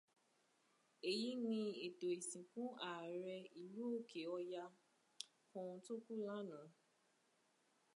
Èyí ni ètò ìsìnkú Aàrẹ ìlú Òkè Ọya kan tó kú lánàá